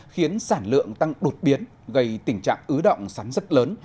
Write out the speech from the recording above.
khiến sản lượng tăng đột biến gây tình trạng ứ động sắn rất lớn